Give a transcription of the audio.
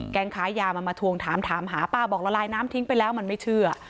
ค้ายามันมาทวงถามถามหาป้าบอกละลายน้ำทิ้งไปแล้วมันไม่เชื่อ